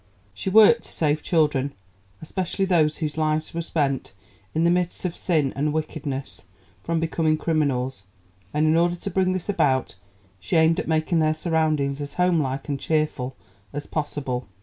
She worked to save children especially those whose lives were spent in the midst of sin and wickedness from becoming criminals, and in order to bring this about she aimed at making their surroundings as homelike and cheerful as possible.